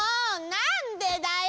なんでだよ！